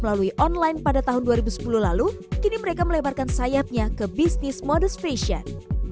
melalui online pada tahun dua ribu sepuluh lalu kini mereka melebarkan sayapnya ke bisnis modus fashion